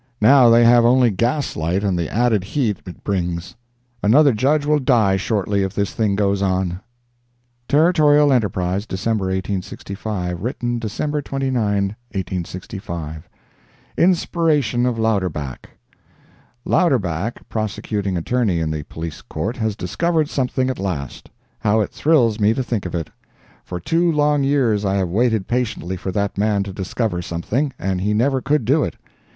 Now they have only gas light and the added heat it brings. Another Judge will die shortly if this thing goes on. Territorial Enterprise, December 1865 [written December 29, 1865] INSPIRATION OF LOUDERBACK Louderback, Prosecuting Attorney in the Police Court, has discovered something at last. How it thrills me to think of it! For two long years I have waited patiently for that man to discover something, and he never could do it.